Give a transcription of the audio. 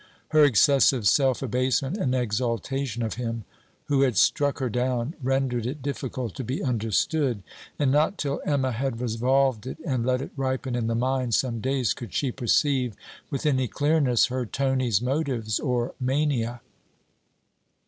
Her excessive self abasement and exaltation of him who had struck her down, rendered it difficult to be understood; and not till Emma had revolved it and let it ripen in the mind some days could she perceive with any clearness her Tony's motives, or mania.